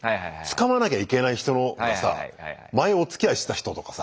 つかまなきゃいけない人のがさ前おつきあいした人とかさ。